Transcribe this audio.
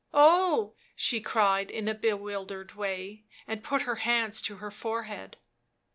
" Oh!" she cried in a bewildered way, and put her hands to her forehead.